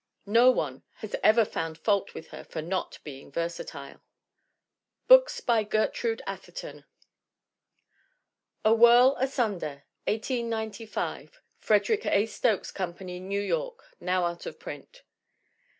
No one has ever found fault with her for not being versatile! BOOKS BY GERTRUDE ATHERTON A Whirl Asunder, 1895. Frederick A. Stokes Com pany, New York. Now out of print.